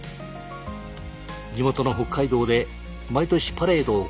地元の北海道で毎年パレードを開催。